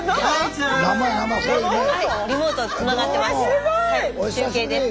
リモートつながってます。